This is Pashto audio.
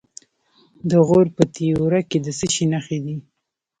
د غور په تیوره کې د څه شي نښې دي؟